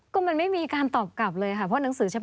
ก็มันไม่มีการตอบกลับเลยครับ